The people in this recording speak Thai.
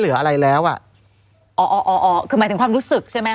เหลืออะไรแล้วอ่ะอ๋ออ๋ออ๋ออ๋อคือหมายถึงความรู้สึกใช่ไหม